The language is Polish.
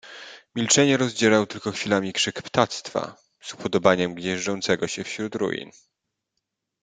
"Milczenie rozdzierał tylko chwilami krzyk ptactwa, z upodobaniem gnieżdżącego się wśród ruin."